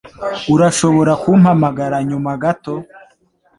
Urashobora kumpamagara nyuma gato?